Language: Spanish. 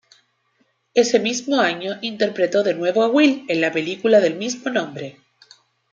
Ese mismo año interpretó de nuevo a Will en la película del mismo nombre.